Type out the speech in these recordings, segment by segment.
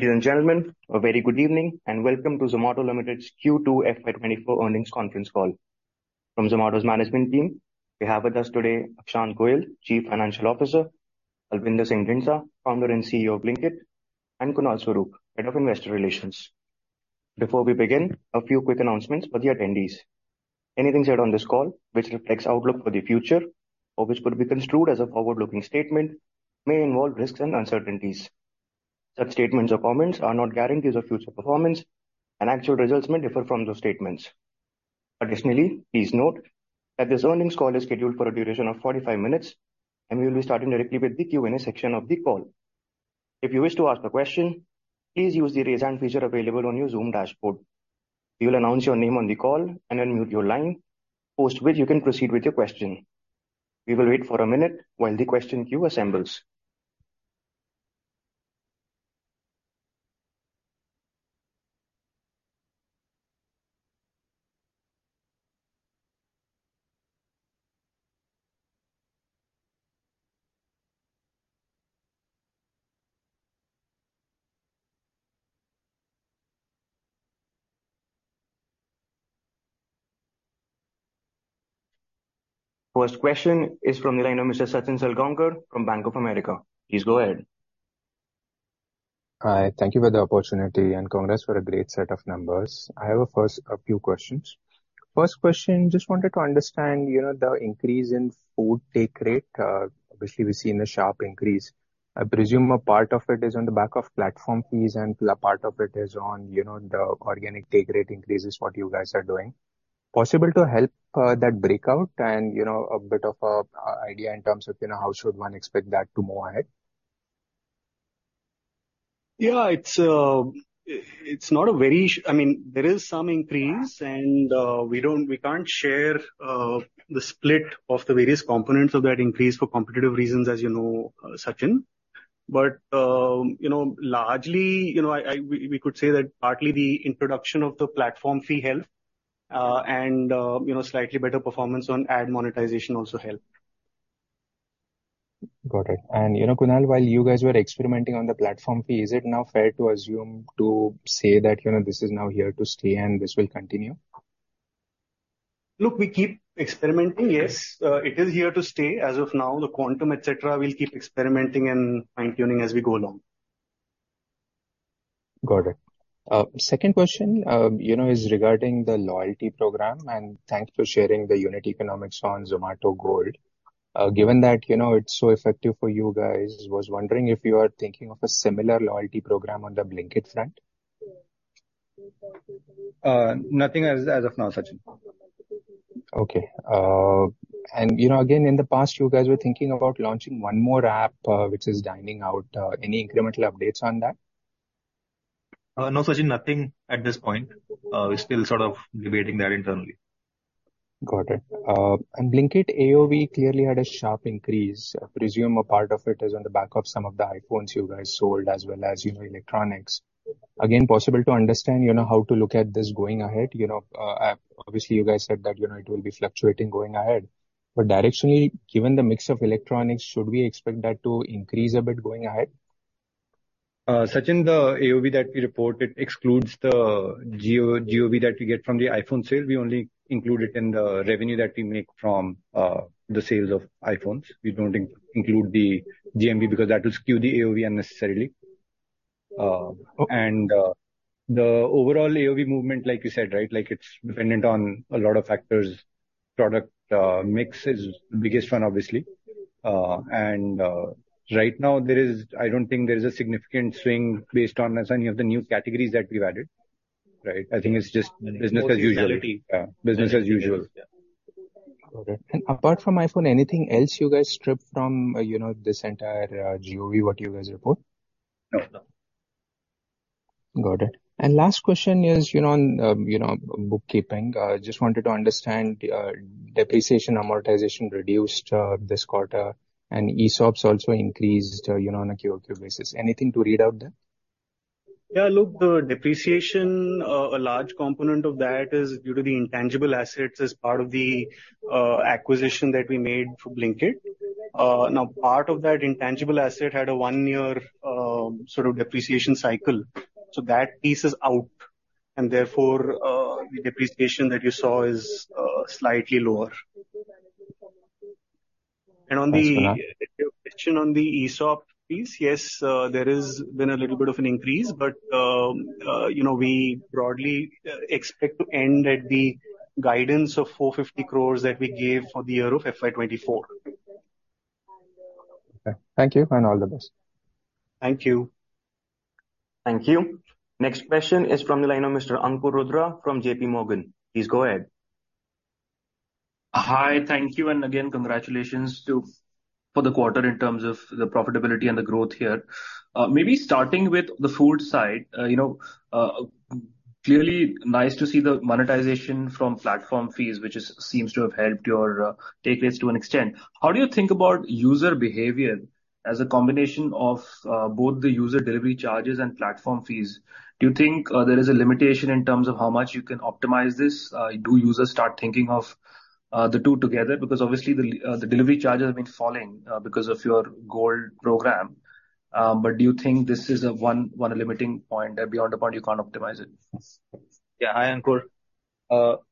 Ladies and gentlemen, a very good evening, and welcome to Zomato Limited's Q2 FY24 earnings conference call. From Zomato's management team, we have with us today Akshant Goyal, Chief Financial Officer, Albinder Singh Dhindsa, Founder and CEO of Blinkit, and Kunal Swarup, Head of Investor Relations. Before we begin, a few quick announcements for the attendees. Anything said on this call which reflects outlook for the future or which could be construed as a forward-looking statement, may involve risks and uncertainties. Such statements or comments are not guarantees of future performance, and actual results may differ from those statements. Additionally, please note that this earnings call is scheduled for a duration of 45 minutes, and we will be starting directly with the Q&A section of the call. If you wish to ask a question, please use the Raise Hand feature available on your Zoom dashboard. We will announce your name on the call and unmute your line, post which you can proceed with your question. We will wait for a minute while the question queue assembles. First question is from the line of Mr. Sachin Salgaonkar from Bank of America. Please go ahead. Hi, thank you for the opportunity, and congrats for a great set of numbers. I have a few questions. First question, just wanted to understand, you know, the increase in food take rate, obviously we've seen a sharp increase. I presume a part of it is on the back of platform fees, and a part of it is on, you know, the organic take rate increase is what you guys are doing. Possible to help that breakout and, you know, a bit of a idea in terms of, you know, how should one expect that to move ahead? Yeah, it's not a very... I mean, there is some increase, and we don't—we can't share the split of the various components of that increase for competitive reasons, as you know, Sachin. But, you know, largely, you know, we could say that partly the introduction of the platform fee helped, and, you know, slightly better performance on ad monetization also helped. Got it. And, you know, Kunal, while you guys were experimenting on the platform fee, is it now fair to assume to say that, you know, this is now here to stay and this will continue? Look, we keep experimenting. Yes, it is here to stay. As of now, the quantum, et cetera, we'll keep experimenting and fine-tuning as we go along. Got it. Second question, you know, is regarding the loyalty program, and thanks for sharing the unit economics on Zomato Gold. Given that, you know, it's so effective for you guys, was wondering if you are thinking of a similar loyalty program on the Blinkit front? Nothing as of now, Sachin. Okay. You know, again, in the past, you guys were thinking about launching one more app, which is dining out. Any incremental updates on that? No, Sachin, nothing at this point. We're still sort of debating that internally. Got it. And Blinkit AOV clearly had a sharp increase. I presume a part of it is on the back of some of the iPhones you guys sold, as well as, you know, electronics. Again, possible to understand, you know, how to look at this going ahead. You know, obviously, you guys said that, you know, it will be fluctuating going ahead. But directionally, given the mix of electronics, should we expect that to increase a bit going ahead? Sachin, the AOV that we reported excludes the GOV that we get from the iPhone sale. We only include it in the revenue that we make from the sales of iPhones. We don't include the GMV, because that will skew the AOV unnecessarily. Okay. - and, the overall AOV movement, like you said, right? Like, it's dependent on a lot of factors. Product, mix is the biggest one, obviously. And, right now there is... I don't think there is a significant swing based on any of the new categories that we've added, right? I think it's just business as usual. Yeah. Business as usual. Yeah. Got it. And apart from iPhone, anything else you guys strip from, you know, this entire GOV, what you guys report? No. Got it. And last question is, you know, on, you know, bookkeeping. Just wanted to understand, depreciation, amortization reduced, this quarter, and ESOPs also increased, you know, on a Q-over-Q basis. Anything to read out there? Yeah, look, the depreciation, a large component of that is due to the intangible assets as part of the acquisition that we made for Blinkit. Now, part of that intangible asset had a 1-year sort of depreciation cycle, so that piece is out, and therefore, the depreciation that you saw is slightly lower. Thanks for that. On your question on the ESOP piece, yes, there has been a little bit of an increase, but, you know, we broadly expect to end at the guidance of 450 crore that we gave for the year of FY 2024. Okay. Thank you, and all the best. Thank you. Thank you. Next question is from the line of Mr. Ankur Rudra from JP Morgan. Please go ahead. Hi, thank you, and again, congratulations to, for the quarter in terms of the profitability and the growth here. Maybe starting with the food side, you know, clearly nice to see the monetization from platform fees, which seems to have helped your takeaways to an extent. How do you think about user behavior as a combination of both the user delivery charges and platform fees? Do you think there is a limitation in terms of how much you can optimize this? Do users start thinking of the two together? Because obviously the delivery charges have been falling because of your Gold program. But do you think this is a one limiting point, that beyond a point you can't optimize it? Yeah. Hi, Ankur.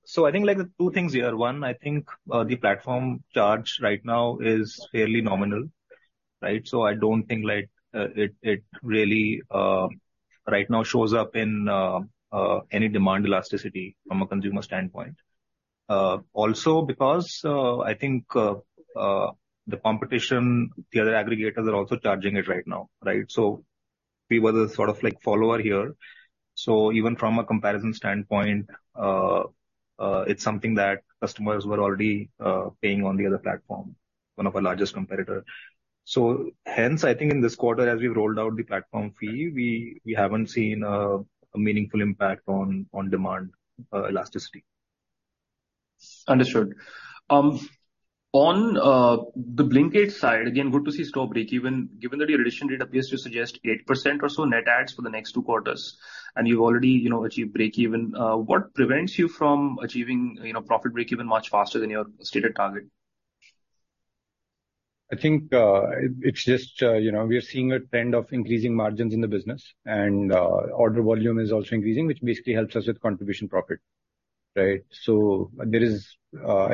...So I think, like, the two things here. One, I think, the platform charge right now is fairly nominal, right? So I don't think, like, it, it really, right now shows up in, any demand elasticity from a consumer standpoint. Also because, I think, the competition, the other aggregators are also charging it right now, right? So we were the sort of like follower here. So even from a comparison standpoint, it's something that customers were already, paying on the other platform, one of our largest competitor. So hence, I think in this quarter, as we've rolled out the platform fee, we, we haven't seen, a meaningful impact on, on demand, elasticity. Understood. On the Blinkit side, again, good to see store breakeven, given that your addition data appears to suggest 8% or so net adds for the next two quarters, and you've already, you know, achieved breakeven. What prevents you from achieving, you know, profit breakeven much faster than your stated target? I think it's just, you know, we are seeing a trend of increasing margins in the business, and order volume is also increasing, which basically helps us with contribution profit, right? So there is-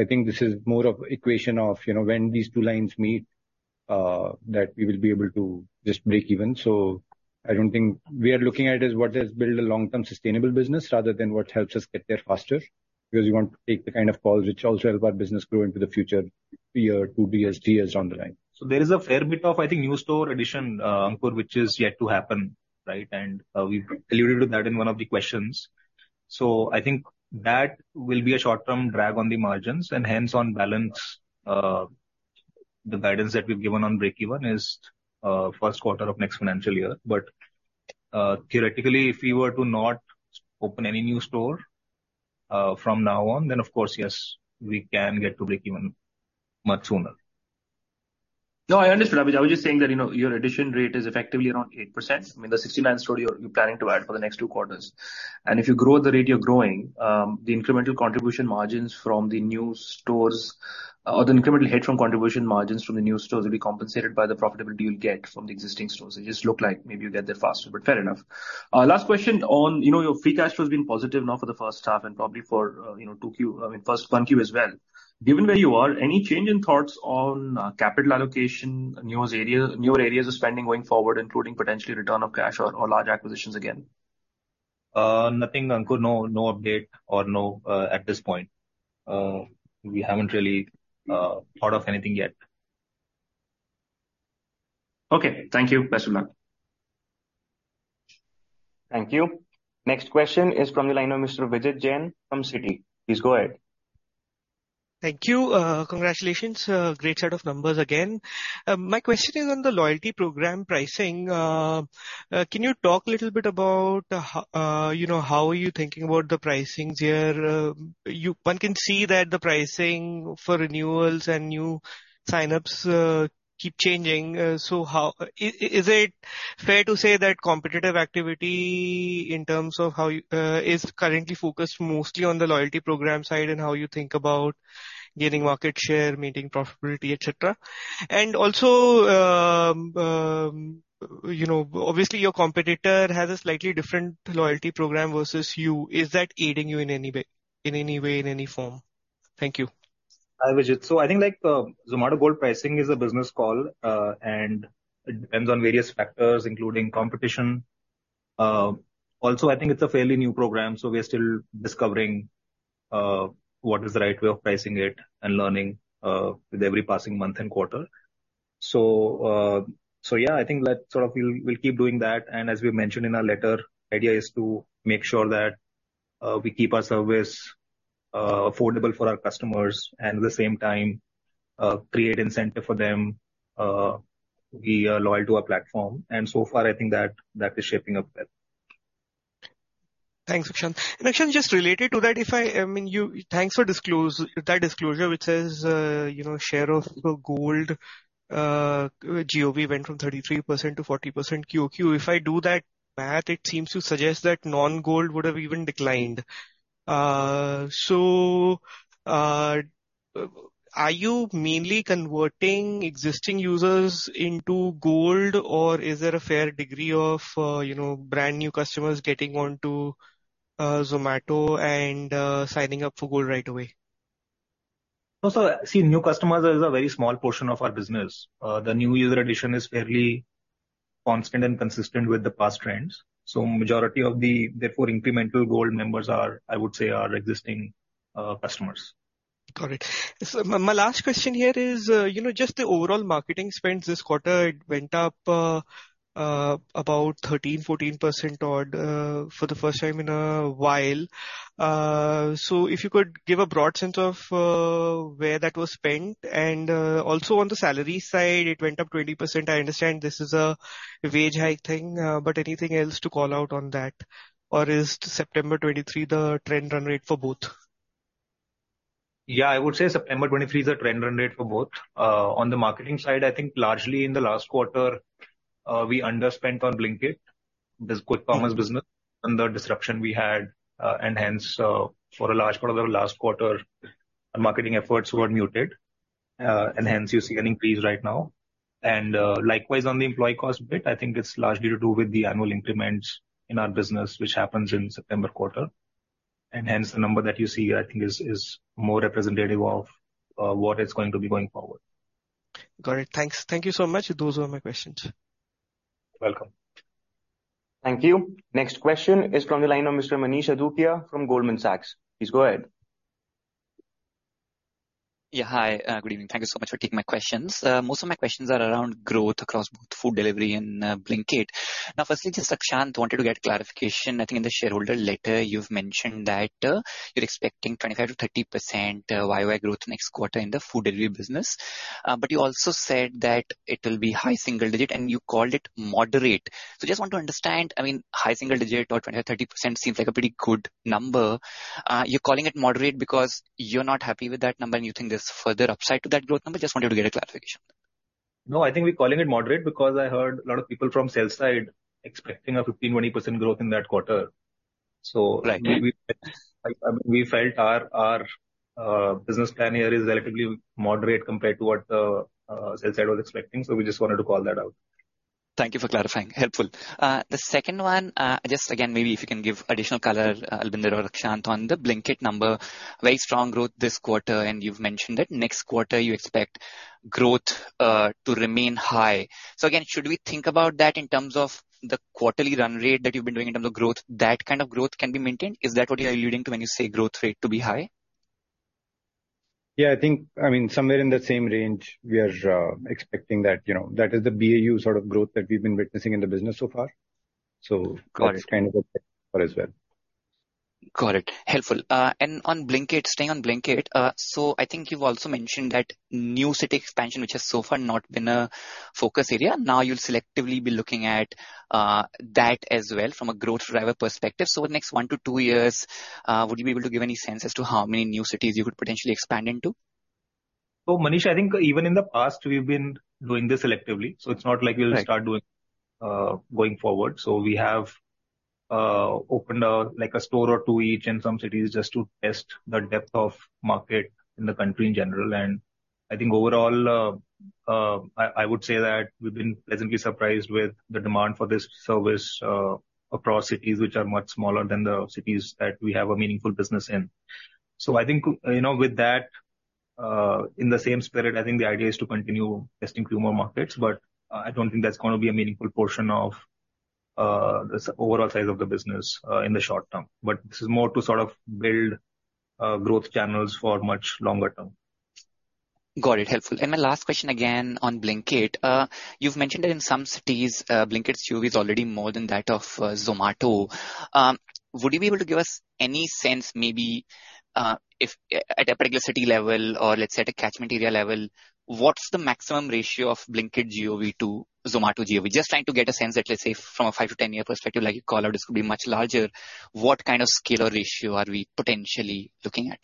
I think this is more of equation of, you know, when these two lines meet, that we will be able to just breakeven. So I don't think... We are looking at is what does build a long-term sustainable business, rather than what helps us get there faster. Because you want to take the kind of calls which also help our business grow into the future, be it two years, three years down the line. So there is a fair bit of, I think, new store addition, Ankur, which is yet to happen, right? And we've alluded to that in one of the questions. So I think that will be a short-term drag on the margins, and hence, on balance, the guidance that we've given on breakeven is first quarter of next financial year. But theoretically, if we were to not open any new store from now on, then of course, yes, we can get to breakeven much sooner. No, I understand, Abhijit. I was just saying that, you know, your addition rate is effectively around 8%. I mean, the 69 store you're, you're planning to add for the next 2 quarters. And if you grow at the rate you're growing, the incremental contribution margins from the new stores, or the incremental head from contribution margins from the new stores will be compensated by the profitability you'll get from the existing stores. It just look like maybe you'll get there faster, but fair enough. Last question on, you know, your free cash flow has been positive now for the first half and probably for, you know, 2Q- I mean, first 1Q as well. Given where you are, any change in thoughts on, capital allocation, newer areas, newer areas of spending going forward, including potentially return of cash or, or large acquisitions again? Nothing, Ankur. No, no update or no, at this point. We haven't really thought of anything yet. Okay. Thank you. Best of luck. Thank you. Next question is from the line of Mr. Vijit Jain from Citi. Please go ahead. Thank you. Congratulations, great set of numbers again. My question is on the loyalty program pricing. Can you talk a little bit about, you know, how are you thinking about the pricings here? One can see that the pricing for renewals and new sign-ups keep changing. Is it fair to say that competitive activity in terms of how is currently focused mostly on the loyalty program side, and how you think about gaining market share, maintaining profitability, et cetera? And also, you know, obviously, your competitor has a slightly different loyalty program versus you. Is that aiding you in any way - in any way, in any form? Thank you. Hi, Vijay. So I think, like, Zomato Gold pricing is a business call, and it depends on various factors, including competition. Also, I think it's a fairly new program, so we are still discovering what is the right way of pricing it and learning with every passing month and quarter. So, so yeah, I think that sort of we'll keep doing that. And as we mentioned in our letter, idea is to make sure that we keep our service affordable for our customers, and at the same time, create incentive for them to be loyal to our platform. And so far, I think that is shaping up well. Thanks, Akshant. And Akshant, just related to that, if I, I mean, you, thanks for that disclosure, which says, you know, share of the Gold, GOV went from 33% to 40% QoQ. If I do that math, it seems to suggest that non-Gold would have even declined. So, are you mainly converting existing users into Gold, or is there a fair degree of, you know, brand-new customers getting onto Zomato and signing up for Gold right away? No, so see, new customers are a very small portion of our business. The new user addition is fairly constant and consistent with the past trends. So majority of the, therefore, incremental Gold members are, I would say, are existing, customers. Got it. So my last question here is, you know, just the overall marketing spends this quarter, it went up about 13%-14% odd, for the first time in a while. So if you could give a broad sense of where that was spent. And also on the salary side, it went up 20%. I understand this is a wage hike thing, but anything else to call out on that? Or is September 2023 the trend run rate for both? Yeah, I would say September 2023 is the trend run rate for both. On the marketing side, I think largely in the last quarter, we underspent on Blinkit, this quick commerce business, under disruption we had, and hence, for a large part of the last quarter, our marketing efforts were muted... and hence you see an increase right now. Likewise, on the employee cost bit, I think it's largely to do with the annual increments in our business, which happens in September quarter, and hence the number that you see, I think is, is more representative of, what is going to be going forward. Got it. Thanks. Thank you so much. Those were my questions. Welcome. Thank you. Next question is from the line of Mr. Manish Adukia from Goldman Sachs. Please go ahead. Yeah, hi. Good evening. Thank you so much for taking my questions. Most of my questions are around growth across both food delivery and Blinkit. Now, firstly, just Akshant, wanted to get clarification. I think in the shareholder letter you've mentioned that you're expecting 25%-30% YoY growth next quarter in the food delivery business. But you also said that it will be high single digit, and you called it moderate. So just want to understand, I mean, high single digit or 25%-30% seems like a pretty good number. You're calling it moderate because you're not happy with that number, and you think there's further upside to that growth number? Just wanted to get a clarification. No, I think we're calling it moderate because I heard a lot of people from sales side expecting a 15%-20% growth in that quarter. Right. We felt our business plan here is relatively moderate compared to what the sales side was expecting, so we just wanted to call that out. Thank you for clarifying. Helpful. The second one, just again, maybe if you can give additional color, Albinder or Akshant, on the Blinkit number. Very strong growth this quarter, and you've mentioned that next quarter you expect growth to remain high. So again, should we think about that in terms of the quarterly run rate that you've been doing in terms of growth, that kind of growth can be maintained? Is that what you are alluding to when you say growth rate to be high? Yeah, I think, I mean, somewhere in that same range, we are expecting that, you know, that is the BAU sort of growth that we've been witnessing in the business so far. Got it. So it's kind of as well. Got it. Helpful. And on Blinkit, staying on Blinkit, so I think you've also mentioned that new city expansion, which has so far not been a focus area, now you'll selectively be looking at that as well from a growth driver perspective. So the next 1-2 years, would you be able to give any sense as to how many new cities you could potentially expand into? So, Manish, I think even in the past, we've been doing this selectively, so it's not like- Right. We'll start doing going forward. So we have opened a, like, a store or two each in some cities just to test the depth of market in the country in general. And I think overall, I would say that we've been pleasantly surprised with the demand for this service across cities which are much smaller than the cities that we have a meaningful business in. So I think, you know, with that, in the same spirit, I think the idea is to continue testing few more markets, but I don't think that's gonna be a meaningful portion of the overall size of the business in the short term. But this is more to sort of build growth channels for much longer term. Got it. Helpful. And my last question, again, on Blinkit. You've mentioned that in some cities, Blinkit's GOV is already more than that of Zomato. Would you be able to give us any sense, maybe, if at a particular city level, or let's say at a catchment area level, what's the maximum ratio of Blinkit GOV to Zomato GOV? Just trying to get a sense that, let's say, from a 5-10 year perspective, like you called out, this could be much larger. What kind of scale or ratio are we potentially looking at?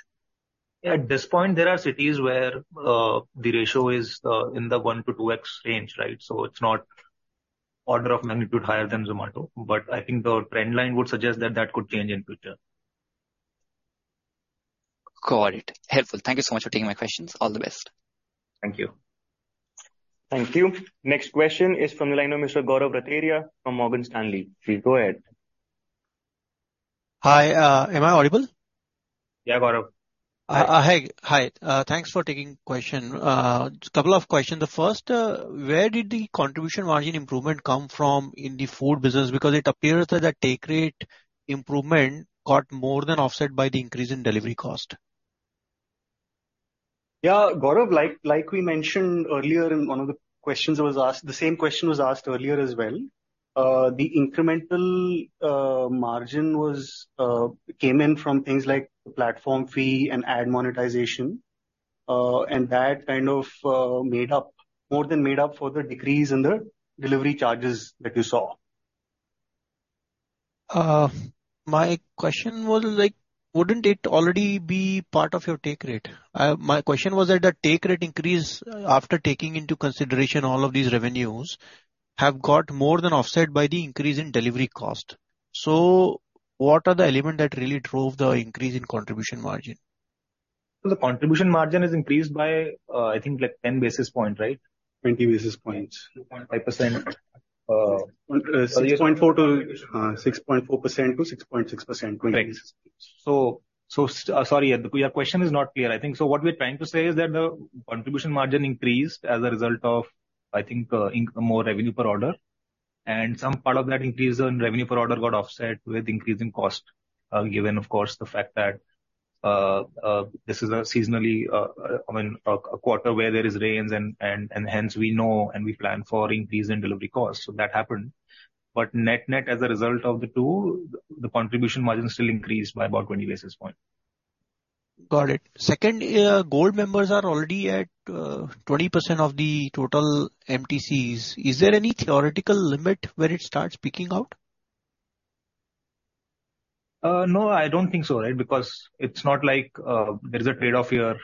Yeah, at this point, there are cities where the ratio is in the 1-2x range, right? So it's not order of magnitude higher than Zomato, but I think the trend line would suggest that that could change in future. Got it. Helpful. Thank you so much for taking my questions. All the best. Thank you. Thank you. Next question is from the line of Mr. Gaurav Rateria from Morgan Stanley. Please go ahead. Hi, am I audible? Yeah, Gaurav. Hi. Thanks for taking question. Couple of questions. The first, where did the contribution margin improvement come from in the food business? Because it appears that the take rate improvement got more than offset by the increase in delivery cost. Yeah, Gaurav, like we mentioned earlier in one of the questions that was asked, the same question was asked earlier as well. The incremental margin was came in from things like platform fee and ad monetization, and that kind of made up, more than made up for the decrease in the delivery charges that you saw. My question was like, wouldn't it already be part of your take rate? My question was that the take rate increase, after taking into consideration all of these revenues, have got more than offset by the increase in delivery cost. So what are the elements that really drove the increase in contribution margin? So the contribution margin is increased by, I think like 10 basis points, right? 20 basis points. 2.5%. 6.4%-6.6%. Right. So, sorry, your question is not clear. I think so what we're trying to say is that the contribution margin increased as a result of, I think, more revenue per order, and some part of that increase in revenue per order got offset with increase in cost, given, of course, the fact that this is a seasonally, I mean, a quarter where there is rains, and hence we know and we plan for increase in delivery costs. So that happened. But net-net, as a result of the two, the contribution margin still increased by about 20 basis point. Got it. Second, Gold members are already at 20% of the total MTCs. Is there any theoretical limit where it starts peaking out? No, I don't think so, right? Because it's not like there is a trade-off here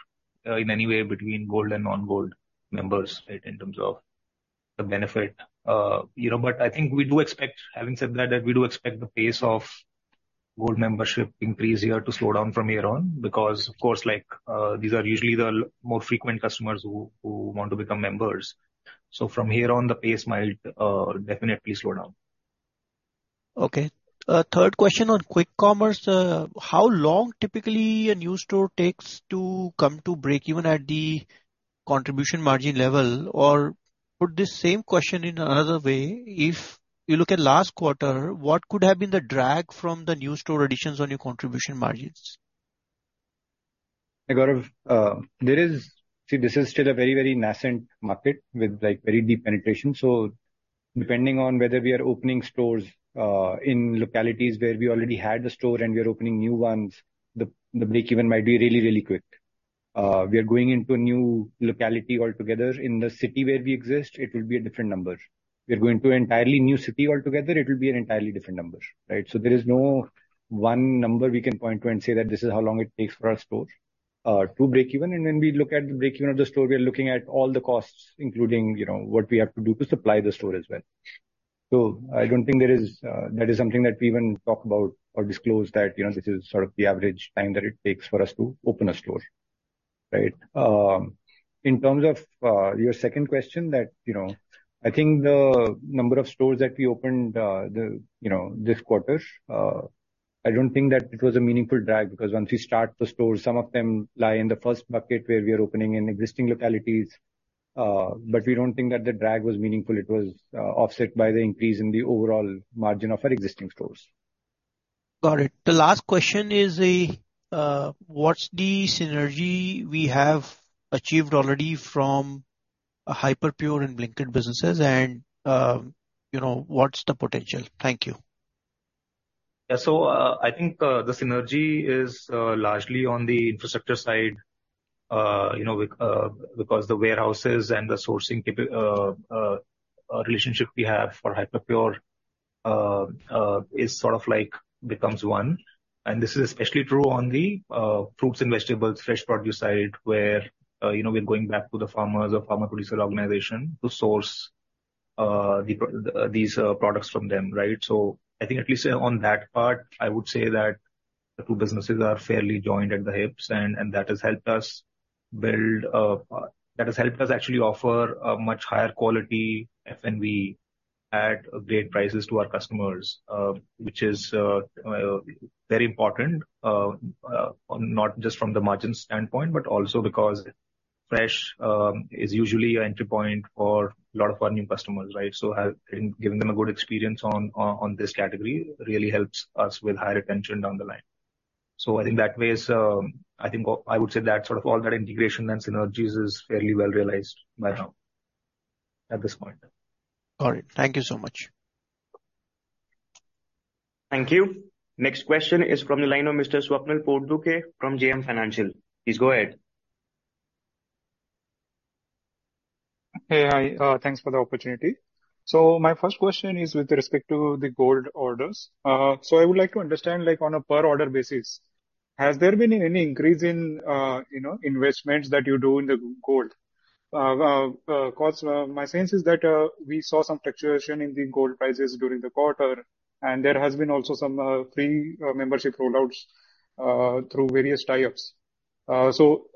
in any way between Gold and non-Gold members, right, in terms of the benefit. You know, but I think we do expect... Having said that, that we do expect the pace of Gold membership increase here to slow down from here on, because of course, like, these are usually the more frequent customers who want to become members. So from here on, the pace might definitely slow down. Okay. Third question on quick commerce, how long typically a new store takes to come to breakeven at the contribution margin level? Or put this same question in another way, if you look at last quarter, what could have been the drag from the new store additions on your contribution margins? Hey, Gaurav, there is, see, this is still a very, very nascent market with, like, very deep penetration. So depending on whether we are opening stores in localities where we already had a store and we are opening new ones, the breakeven might be really, really quick. We are going into a new locality altogether. In the city where we exist, it will be a different number. We are going to an entirely new city altogether, it will be an entirely different number, right? So there is no one number we can point to and say that this is how long it takes for our store to breakeven. And when we look at the breakeven of the store, we are looking at all the costs, including, you know, what we have to do to supply the store as well. So I don't think there is, that is something that we even talk about or disclose that, you know, this is sort of the average time that it takes for us to open a store, right? In terms of, your second question that, you know, I think the number of stores that we opened, you know, this quarter, I don't think that it was a meaningful drag, because once we start the stores, some of them lie in the first bucket where we are opening in existing localities. But we don't think that the drag was meaningful. It was, offset by the increase in the overall margin of our existing stores. Got it. The last question is, what's the synergy we have achieved already from a Hyperpure and Blinkit businesses and, you know, what's the potential? Thank you. Yeah. So, I think, the synergy is largely on the infrastructure side. You know, because the warehouses and the sourcing relationship we have for Hyperpure is sort of like becomes one. And this is especially true on the fruits and vegetables, fresh produce side, where, you know, we're going back to the farmers or farmer producer organization to source these products from them, right? So I think at least on that part, I would say that the two businesses are fairly joined at the hips, and that has helped us build a... That has helped us actually offer a much higher quality F&B at great prices to our customers, which is very important, not just from the margin standpoint, but also because fresh is usually an entry point for a lot of our new customers, right? So, in giving them a good experience on this category really helps us with higher retention down the line. So I think that way, I would say that sort of all that integration and synergies is fairly well realized by now, at this point. All right. Thank you so much. Thank you. Next question is from the line of Mr. Swapnil Potdukhe from JM Financial. Please go ahead. Hey. Hi, thanks for the opportunity. So my first question is with respect to the Gold orders. So I would like to understand, like on a per order basis, has there been any increase in, you know, investments that you do in the Gold? Because, my sense is that, we saw some fluctuation in the Gold prices during the quarter, and there has been also some free membership rollouts through various tie-ups. So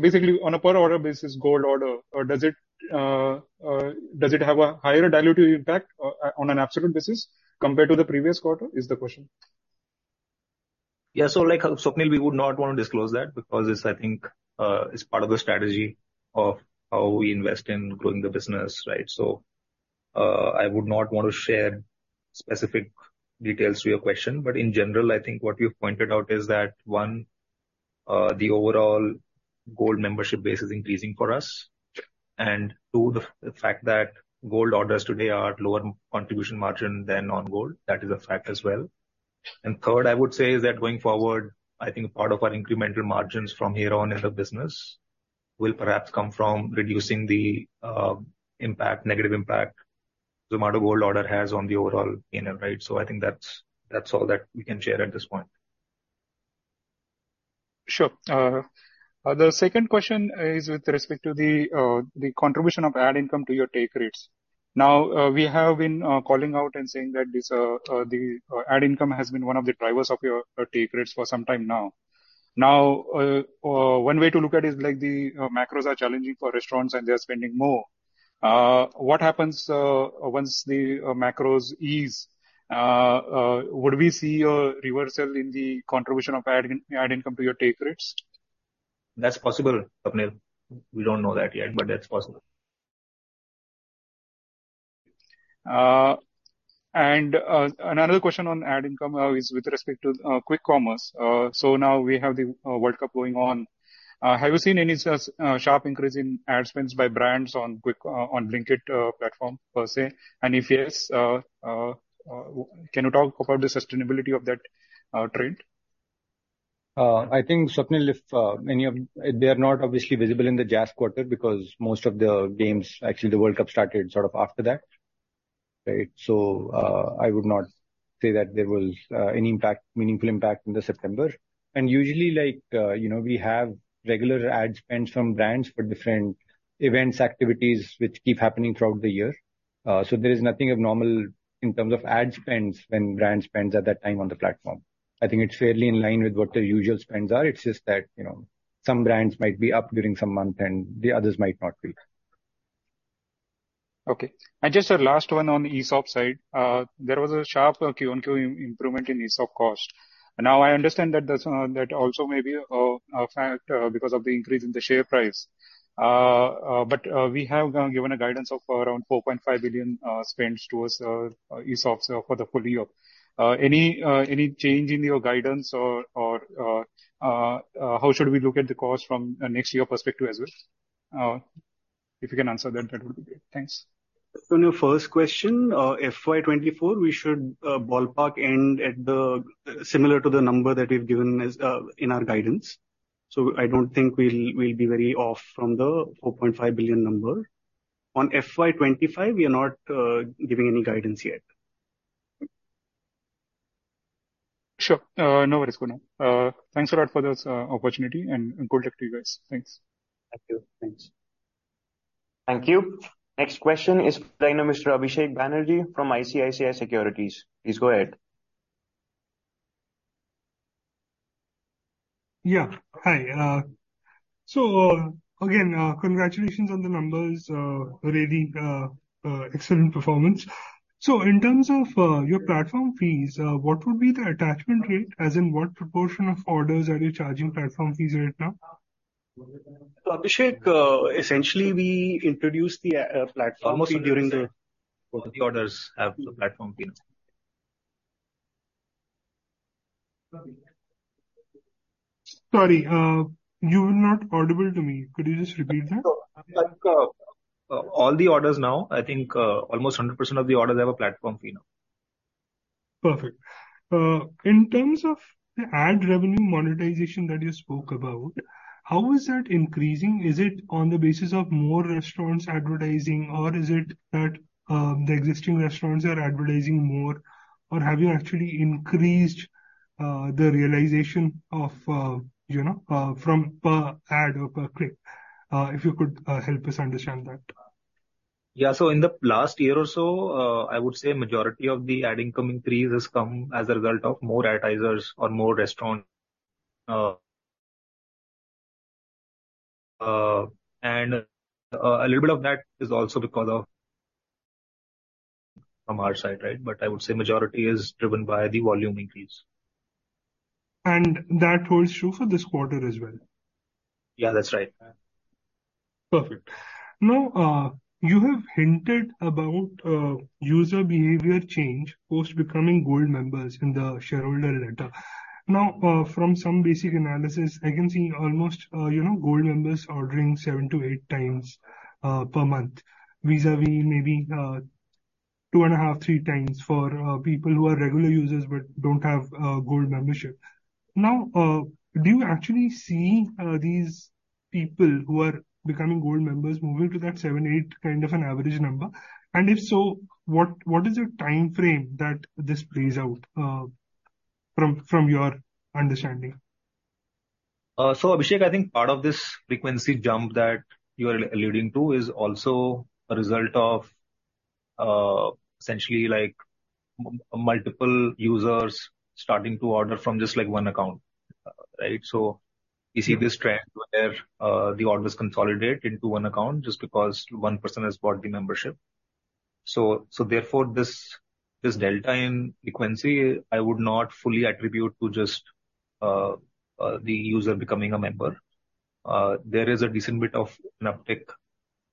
basically, on a per order basis, Gold order, does it have a higher dilutive impact, on an absolute basis compared to the previous quarter, is the question? Yeah. So, like, Swapnil, we would not want to disclose that because it's, I think, it's part of the strategy of how we invest in growing the business, right? So, I would not want to share specific details to your question, but in general, I think what you've pointed out is that, one, the overall Gold membership base is increasing for us, and two, the fact that Gold orders today are at lower contribution margin than non-gold, that is a fact as well. And third, I would say is that going forward, I think part of our incremental margins from here on in the business will perhaps come from reducing the, impact, negative impact the amount of Gold order has on the overall AOV, right? So I think that's, that's all that we can share at this point. Sure. The second question is with respect to the contribution of ad income to your take rates. Now, we have been calling out and saying that this, the ad income has been one of the drivers of your take rates for some time now. Now, one way to look at it is like the macros are challenging for restaurants and they are spending more. What happens once the macros ease? Would we see a reversal in the contribution of ad income to your take rates? That's possible, Swapnil. We don't know that yet, but that's possible. Another question on ad income is with respect to quick commerce. Now we have the World Cup going on. Have you seen any sharp increase in ad spends by brands on quick on Blinkit platform per se? And if yes, can you talk about the sustainability of that trend? I think, Swapnil, if any of... They are not obviously visible in the Q2 quarter because most of the games, actually, the World Cup started sort of after that, right? So, I would not say that there was any impact, meaningful impact in the September. And usually, like, you know, we have regular ad spends from brands for different events, activities which keep happening throughout the year. So there is nothing abnormal in terms of ad spends when brand spends at that time on the platform. I think it's fairly in line with what their usual spends are. It's just that, you know, some brands might be up during some month, and the others might not be. Okay. And just a last one on the ESOP side. There was a sharp Q-on-Q improvement in ESOP cost. Now, I understand that that's that also may be a factor because of the increase in the share price. But we have given a guidance of around 4.5 billion spends towards ESOPs for the full year. Any change in your guidance or how should we look at the cost from a next year perspective as well? If you can answer that, that would be great. Thanks. On your first question, FY 2024, we should ballpark end at the similar to the number that we've given as in our guidance. So I don't think we'll be very off from the 4.5 billion number. On FY 2025, we are not giving any guidance yet. Sure. No worries, Kunal. Thanks a lot for this opportunity, and good luck to you guys. Thanks. Thank you. Thanks. Thank you. Next question is from Mr. Abhishek Banerjee from ICICI Securities. Please go ahead. Yeah, hi. So, again, congratulations on the numbers, really excellent performance. So in terms of your platform fees, what would be the attachment rate? As in, what proportion of orders are you charging platform fees right now? Abhishek, essentially, we introduced the platform fee during the- All the orders have the platform fees. Sorry, you're not audible to me. Could you just repeat that? So, all the orders now, I think, almost 100% of the orders have a platform fee now. Perfect. In terms of the ad revenue monetization that you spoke about, how is that increasing? Is it on the basis of more restaurants advertising, or is it that, the existing restaurants are advertising more, or have you actually increased, the realization of, you know, from per ad or per click? If you could, help us understand that. Yeah. So in the last year or so, I would say majority of the ad increase has come as a result of more advertisers or more restaurants, and a little bit of that is also because of... from our side, right? But I would say majority is driven by the volume increase. That holds true for this quarter as well? Yeah, that's right. Perfect. Now, you have hinted about, user behavior change post becoming Gold members in the shareholder letter. Now, from some basic analysis, I can see almost, you know, Gold members ordering 7-8 times, per month, vis-a-vis maybe, 2.5-3 times for, people who are regular users but don't have, Gold membership. Now, do you actually see, these people who are becoming Gold members moving to that 7-8 kind of an average number? And if so, what, what is the timeframe that this plays out, from, from your understanding? So, Abhishek, I think part of this frequency jump that you are alluding to is also a result of, essentially like multiple users starting to order from just, like, one account, right? So you see this trend where the orders consolidate into one account just because one person has bought the membership. So therefore, this delta in frequency, I would not fully attribute to just the user becoming a member. There is a decent bit of an uptick,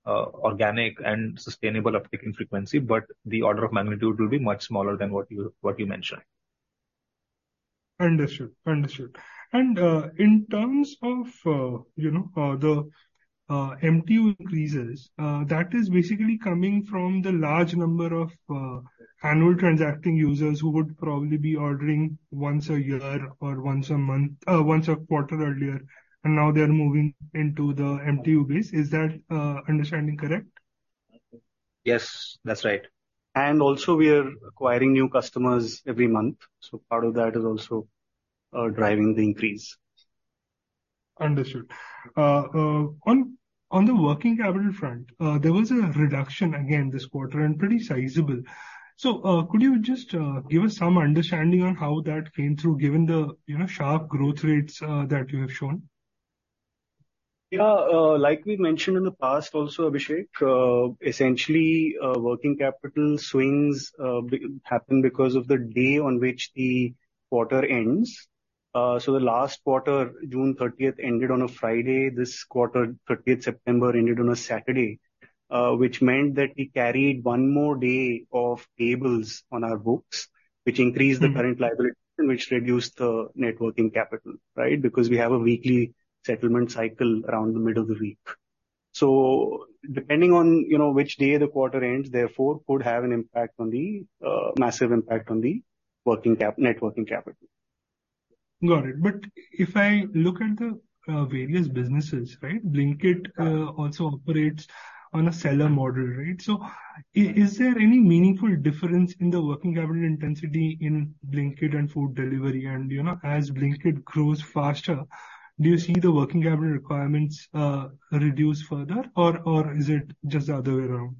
organic and sustainable uptick in frequency, but the order of magnitude will be much smaller than what you mentioned. Understood. Understood. And, in terms of, you know, the MTU increases, that is basically coming from the large number of annual transacting users who would probably be ordering once a year or once a month, once a quarter earlier, and now they are moving into the MTU base. Is that understanding correct? Yes, that's right. Also, we are acquiring new customers every month, so part of that is also driving the increase. Understood. On the working capital front, there was a reduction again this quarter, and pretty sizable. So, could you just give us some understanding on how that came through, given the, you know, sharp growth rates that you have shown? Yeah, like we mentioned in the past also, Abhishek, essentially, working capital swings happen because of the day on which the quarter ends. So the last quarter, June thirtieth, ended on a Friday. This quarter, thirtieth September, ended on a Saturday, which meant that we carried one more day of payables on our books, which increased the current liability, which reduced the net working capital, right? Because we have a weekly settlement cycle around the middle of the week. So depending on, you know, which day the quarter ends, therefore could have a massive impact on the net working capital. Got it. But if I look at the various businesses, right, Blinkit also operates on a seller model, right? So is there any meaningful difference in the working capital intensity in Blinkit and food delivery? And, you know, as Blinkit grows faster, do you see the working capital requirements reduce further, or is it just the other way around?...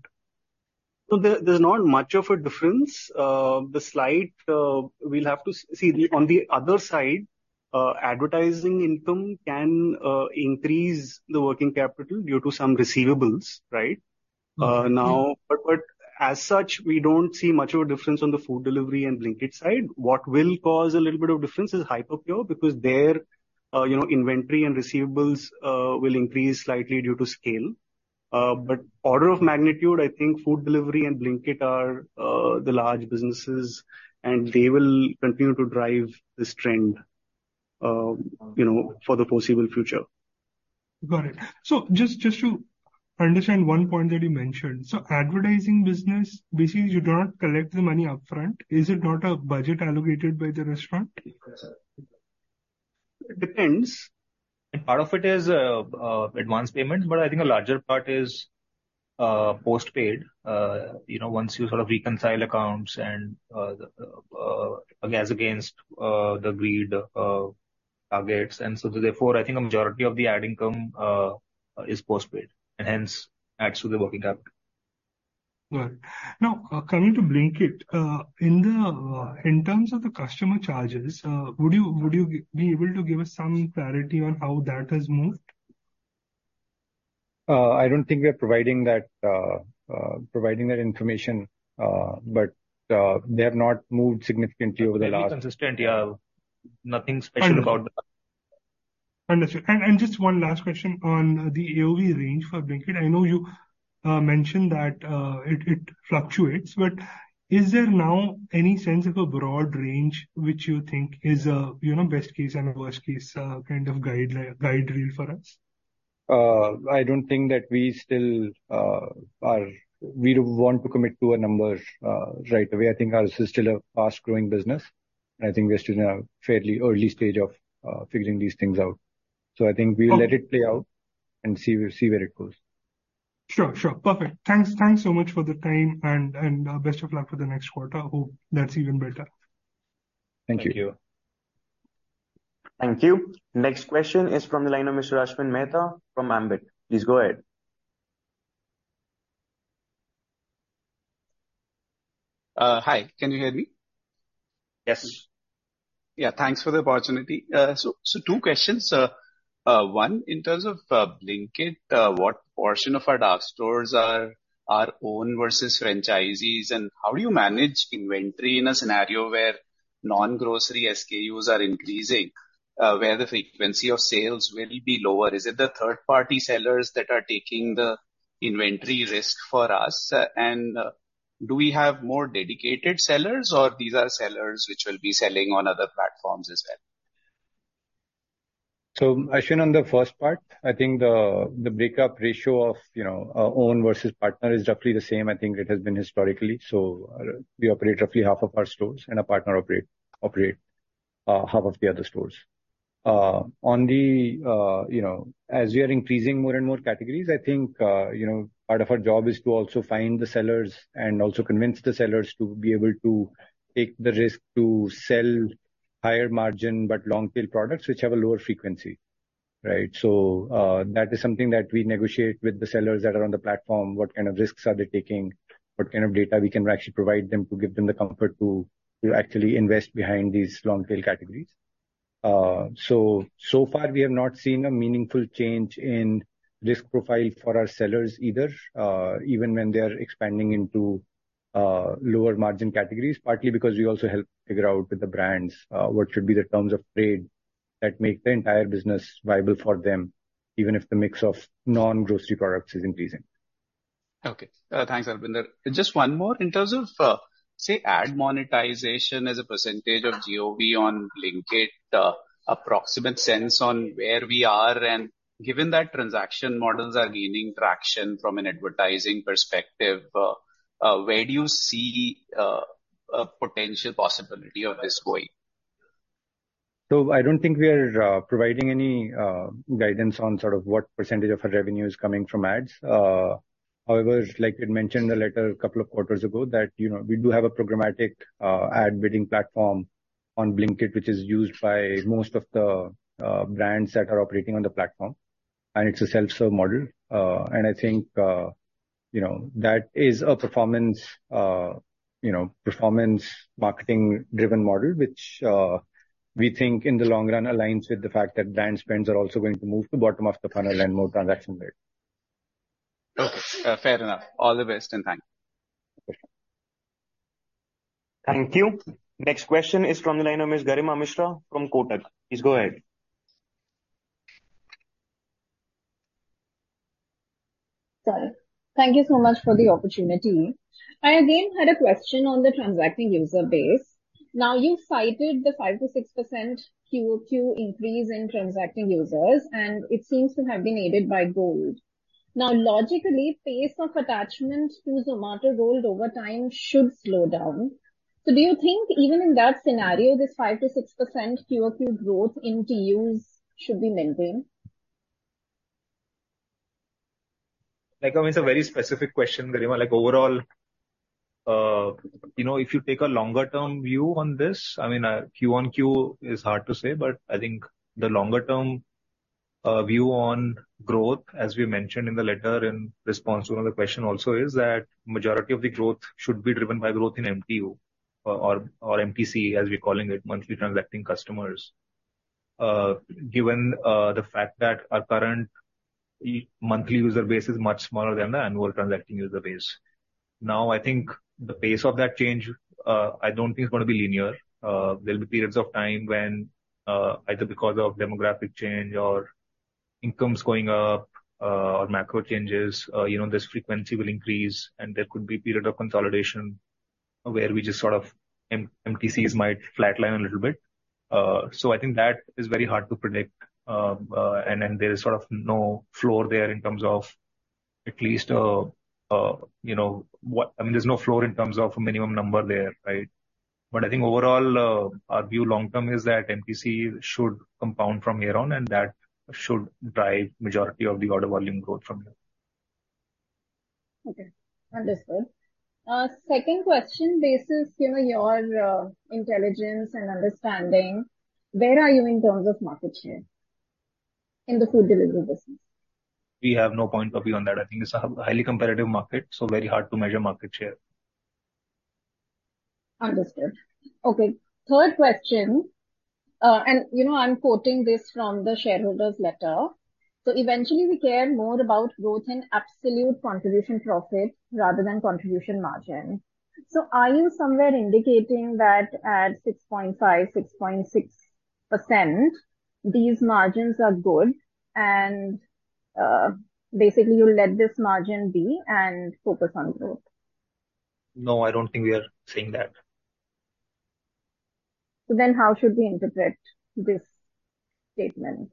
So there, there's not much of a difference. The slight, we'll have to see. On the other side, advertising income can increase the working capital due to some receivables, right? Now, but, but as such, we don't see much of a difference on the food delivery and Blinkit side. What will cause a little bit of difference is Hyperpure, because their, you know, inventory and receivables will increase slightly due to scale. But order of magnitude, I think food delivery and Blinkit are the large businesses, and they will continue to drive this trend, you know, for the foreseeable future. Got it. So just to understand one point that you mentioned. So advertising business, basically you do not collect the money upfront. Is it not a budget allocated by the restaurant? It depends. Part of it is advanced payments, but I think a larger part is post-paid. You know, once you sort of reconcile accounts and as against the agreed targets, and so therefore, I think a majority of the ad income is post-paid, and hence adds to the working capital. Got it. Now, coming to Blinkit, in terms of the customer charges, would you be able to give us some clarity on how that has moved? I don't think we are providing that information, but they have not moved significantly over the last- Very consistent, yeah. Nothing special about them. Understood. And just one last question on the AOV range for Blinkit. I know you mentioned that it fluctuates, but is there now any sense of a broad range which you think is a, you know, best case and worst case kind of guide rail for us? I don't think that we still are. We want to commit to a number right away. I think ours is still a fast-growing business. I think we're still in a fairly early stage of figuring these things out. Okay. I think we'll let it play out and see, we'll see where it goes. Sure. Sure. Perfect. Thanks so much for the time, and best of luck for the next quarter. Hope that's even better. Thank you. Thank you. Thank you. Next question is from the line of Mr. Ashwin Mehta from Ambit. Please go ahead. Hi, can you hear me? Yes. Yeah, thanks for the opportunity. So, so two questions. One, in terms of Blinkit, what portion of our dark stores are our own versus franchisees? And how do you manage inventory in a scenario where non-grocery SKUs are increasing, where the frequency of sales will be lower? Is it the third-party sellers that are taking the inventory risk for us? And, do we have more dedicated sellers, or these are sellers which will be selling on other platforms as well? So, Ashwin, on the first part, I think the breakup ratio of, you know, own versus partner is roughly the same. I think it has been historically. So, we operate roughly half of our stores, and our partner operate half of the other stores. On the, you know, as we are increasing more and more categories, I think, you know, part of our job is to also find the sellers and also convince the sellers to be able to take the risk to sell higher margin, but long-tail products which have a lower frequency, right? So, that is something that we negotiate with the sellers that are on the platform, what kind of risks are they taking, what kind of data we can actually provide them to give them the comfort to actually invest behind these long-tail categories. So far, we have not seen a meaningful change in risk profile for our sellers either, even when they are expanding into lower margin categories, partly because we also help figure out with the brands what should be the terms of trade that make the entire business viable for them, even if the mix of non-grocery products is increasing. Okay. Thanks, Albinder. Just one more: In terms of, say, ad monetization as a percentage of GOV on Blinkit, approximate sense on where we are, and given that transaction models are gaining traction from an advertising perspective, where do you see, a potential possibility of this going? I don't think we are providing any guidance on sort of what percentage of our revenue is coming from ads. However, like I mentioned a little couple of quarters ago, that you know, we do have a programmatic ad bidding platform on Blinkit, which is used by most of the brands that are operating on the platform, and it's a self-serve model. I think you know, that is a performance you know, performance marketing-driven model, which we think in the long run aligns with the fact that brand spends are also going to move to bottom of the funnel and more transaction rate. Okay, fair enough. All the best, and thank you. Thank you. Next question is from the line of Ms. Garima Mishra from Kotak. Please go ahead. Sir, thank you so much for the opportunity. I again had a question on the transacting user base. Now, you've cited the 5%-6% QoQ increase in transacting users, and it seems to have been aided by Zomato Gold. Now, logically, pace of attachment to Zomato Gold over time should slow down. So do you think even in that scenario, this 5%-6% QoQ growth in TUs should be maintained? Like, I mean, it's a very specific question, Garima. Like, overall, you know, if you take a longer-term view on this, I mean, Q-on-Q is hard to say, but I think the longer term- Our view on growth, as we mentioned in the letter in response to another question also, is that majority of the growth should be driven by growth in MTU or MTC, as we're calling it, Monthly Transacting Customers. Given the fact that our current monthly user base is much smaller than the annual transacting user base. Now, I think the pace of that change, I don't think it's gonna be linear. There'll be periods of time when, either because of demographic change or incomes going up, or macro changes, you know, this frequency will increase, and there could be period of consolidation where we just sort of MTCs might flatline a little bit. So I think that is very hard to predict. There is sort of no floor there in terms of at least, you know, what, I mean, there's no floor in terms of a minimum number there, right? But I think overall, our view long term is that MTC should compound from here on, and that should drive majority of the order volume growth from here. Okay. Understood. Second question: based on, you know, your intelligence and understanding, where are you in terms of market share in the food delivery business? We have no point of view on that. I think it's a highly competitive market, so very hard to measure market share. Understood. Okay. Third question. And you know, I'm quoting this from the shareholders' letter: "So eventually, we care more about growth in absolute contribution profit rather than contribution margin." So are you somewhere indicating that at 6.5, 6.6%, these margins are good, and basically you'll let this margin be and focus on growth? No, I don't think we are saying that. How should we interpret this statement?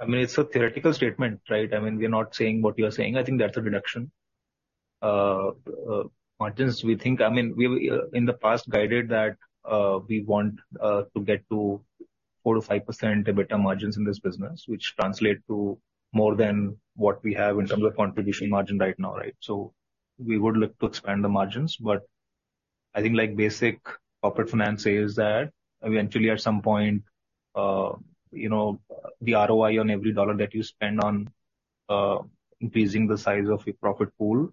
I mean, it's a theoretical statement, right? I mean, we are not saying what you are saying. I think that's a deduction. Margins, we think, I mean, we, in the past, guided that, we want, to get to 4%-5% EBITDA margins in this business, which translate to more than what we have in terms of contribution margin right now, right? So we would look to expand the margins, but I think like basic corporate finance says that eventually at some point, you know, the ROI on every dollar that you spend on, increasing the size of your profit pool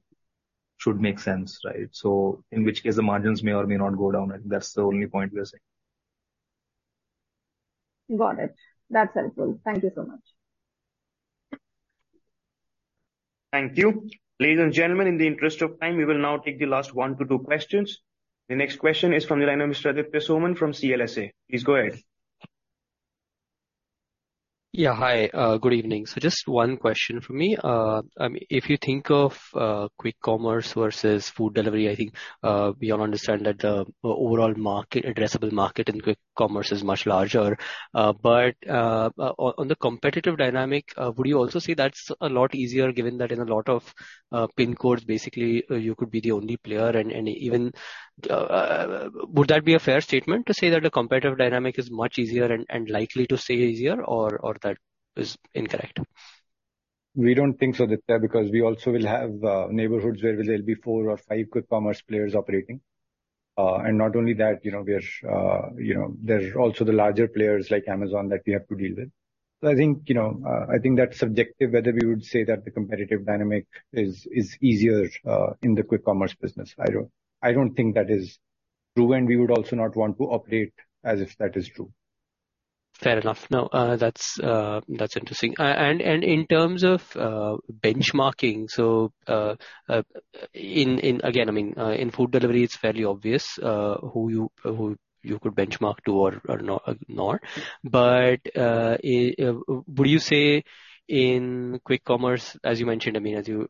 should make sense, right? So in which case, the margins may or may not go down, and that's the only point we are saying. Got it. That's helpful. Thank you so much. Thank you. Ladies and gentlemen, in the interest of time, we will now take the last 1-2 questions. The next question is from the line of Mr. Aditya Soman from CLSA. Please go ahead. Yeah, hi. Good evening. So just one question from me. If you think of quick commerce versus food delivery, I think we all understand that the overall market, addressable market in quick commerce is much larger. But on the competitive dynamic, would you also say that's a lot easier, given that in a lot of pin codes, basically, you could be the only player and even... Would that be a fair statement, to say that the competitive dynamic is much easier and likely to stay easier, or that is incorrect? We don't think so, Aditya, because we also will have neighborhoods where there'll be four or five quick commerce players operating. And not only that, you know, we are, you know, there's also the larger players like Amazon that we have to deal with. So I think, you know, I think that's subjective, whether we would say that the competitive dynamic is easier in the quick commerce business. I don't, I don't think that is true, and we would also not want to operate as if that is true. Fair enough. No, that's interesting. And in terms of benchmarking, so, in again, I mean, in food delivery, it's fairly obvious who you could benchmark to or not. But would you say in quick commerce, as you mentioned, I mean, as you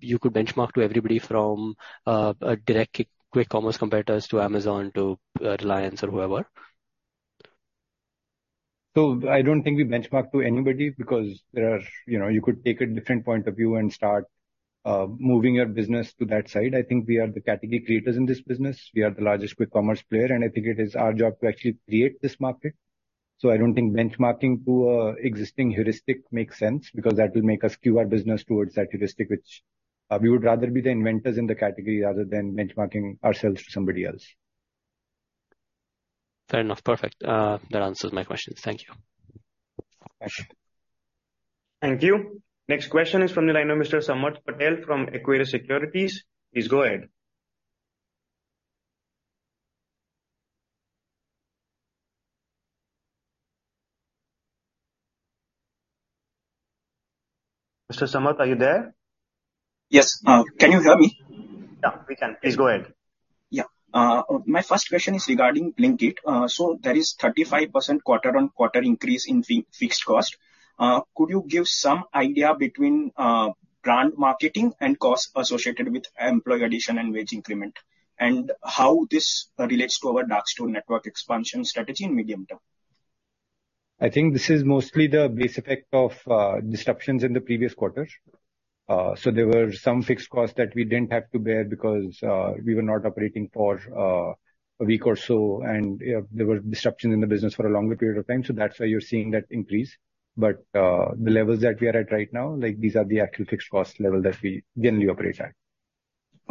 you could benchmark to everybody from a direct quick commerce competitors to Amazon to Reliance or whoever? So I don't think we benchmark to anybody because there are. You know, you could take a different point of view and start moving your business to that side. I think we are the category creators in this business. We are the largest quick commerce player, and I think it is our job to actually create this market. So I don't think benchmarking to an existing heuristic makes sense, because that will make us skew our business towards that heuristic, which we would rather be the inventors in the category rather than benchmarking ourselves to somebody else. Fair enough. Perfect. That answers my questions. Thank you. Thank you. Thank you. Next question is from the line of Mr. Samarth Patel from Equirus Securities. Please go ahead. Mr. Samrat, are you there? Yes. Can you hear me? Yeah, we can. Please go ahead. Yeah. My first question is regarding Blinkit. So there is 35% quarter-on-quarter increase in fixed cost. Could you give some idea between brand marketing and costs associated with employee addition and wage increment, and how this relates to our dark store network expansion strategy in medium term? I think this is mostly the base effect of disruptions in the previous quarter. So there were some fixed costs that we didn't have to bear because we were not operating for a week or so, and there were disruptions in the business for a longer period of time, so that's why you're seeing that increase. But the levels that we are at right now, like, these are the actual fixed cost level that we generally operate at. ...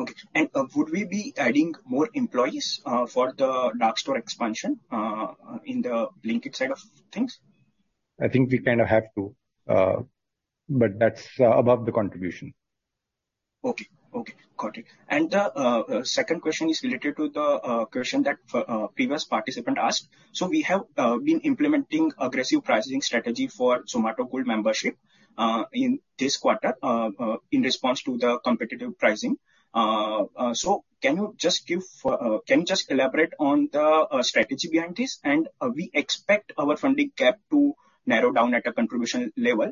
Okay, and, would we be adding more employees for the dark store expansion in the Blinkit side of things? I think we kind of have to, but that's above the contribution. Okay. Okay, got it. And the second question is related to the question that the previous participant asked. So we have been implementing aggressive pricing strategy for Zomato Gold membership in this quarter in response to the competitive pricing. So can you just elaborate on the strategy behind this? And we expect our funding gap to narrow down at a contribution level.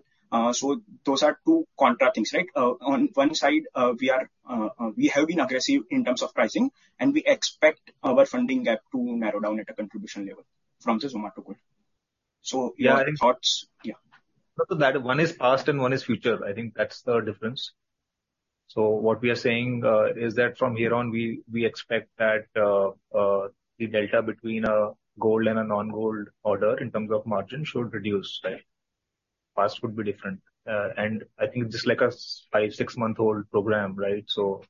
So those are two contra things, right? On one side we have been aggressive in terms of pricing, and we expect our funding gap to narrow down at a contribution level from the Zomato Gold. So your thoughts? Yeah. No, that one is past and one is future. I think that's the difference. So what we are saying is that from here on, we expect that the delta between a Gold and a non-Gold order in terms of margin should reduce, right? Past would be different. And I think just like a 5, 6-month-old program, right? So,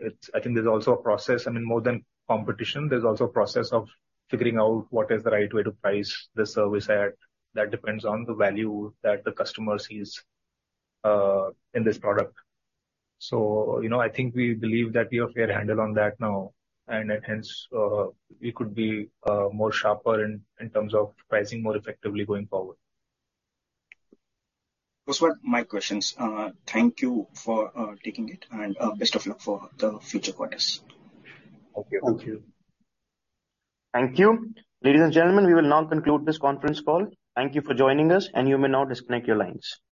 it's. I think there's also a process. I mean, more than competition, there's also a process of figuring out what is the right way to price the service at. That depends on the value that the customer sees in this product. So, you know, I think we believe that we have a fair handle on that now, and hence we could be more sharper in terms of pricing more effectively going forward. Those were my questions. Thank you for taking it, and best of luck for the future quarters. Okay. Thank you. Thank you. Ladies and gentlemen, we will now conclude this conference call. Thank you for joining us, and you may now disconnect your lines.